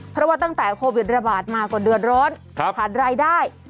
เพราะว่าตั้งแต่โควิดระบาดมาก็เดือดร้อนขาดรายได้